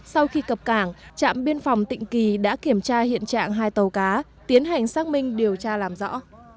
sau khi cập cảng trạm biên phòng tịnh kỳ đã kiểm tra hiện trạng hai tàu cá tiến hành xác minh điều tra làm rõ